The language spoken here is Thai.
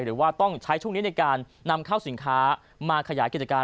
หรือว่าต้องใช้ช่วงนี้ในการนำเข้าสินค้ามาขยายกิจการ